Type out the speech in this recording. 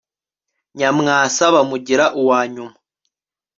nyamwasa bamugira uwa nyuma